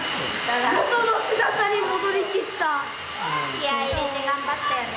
気合い入れて頑張ったよね。